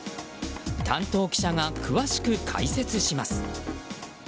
担当記者が詳しく解説します。